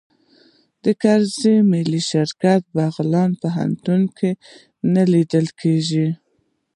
د کرزي ملي مشارکت په بغلان پوهنتون کې نه لیدل کیږي